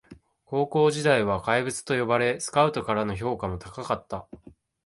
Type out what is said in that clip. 高校時代は怪物と呼ばれスカウトからの評価も高かった